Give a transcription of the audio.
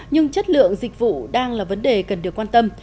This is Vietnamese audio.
nhưng chất lượng dịch vụ đang là vấn đề cần được quan tâm